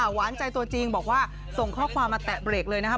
หวานใจตัวจริงบอกว่าส่งข้อความมาแตะเบรกเลยนะครับ